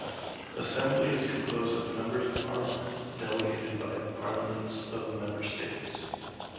Assembly is composed of members of parliament, delegated by the parliaments of member states.